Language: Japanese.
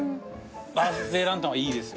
バースデーランタンはいいですよ。